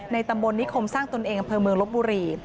ในตำบลนิคมสร้างตนเองกำพื้นเมืองรบบุรี